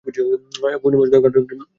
পূর্ণবয়স্ক পোকা কাঠ ছিদ্র করে বেরিয়ে আসে।